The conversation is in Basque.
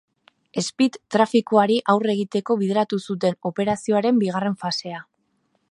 Speed trafikoari aurre egiteko bideratu zuten operazioaren bigarren fasea.